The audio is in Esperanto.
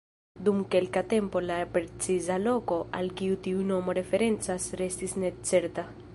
Dum kelka tempo la preciza loko al kiu tiu nomo referencas restis necerta.